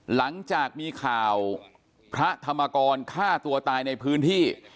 หลังจากมีข่าวพระธรรมกรฆ่าตัวตายในพื้นที่